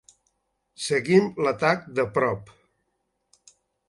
Seguim l'atac de prop.